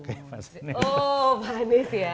oh panis ya